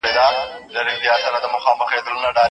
که ښوونځی د کورنۍ ژبه ومني د اړيکو واټن ولې نه زياتېږي؟